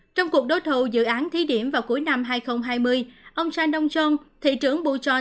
trong cuộc đối thủ dự án thí điểm vào cuối năm hai nghìn hai mươi ông sanong chong thị trưởng puchon cho rằng